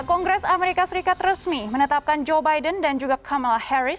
kongres amerika serikat resmi menetapkan joe biden dan juga kamala harris